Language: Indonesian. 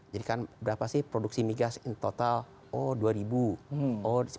jadi kan berapa sih produksi mi gas in total oh dua ribu oh sembilan ribu sembilan ratus